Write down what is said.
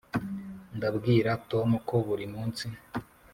ndabwira tom ko burimunsi.